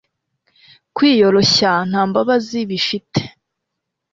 Kwiyoroshya nta mbabazi bifite